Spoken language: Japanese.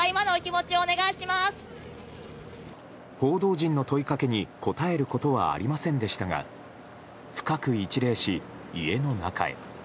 報道陣の問いかけに答えることはありませんでしたが深く一礼し、家の中へ。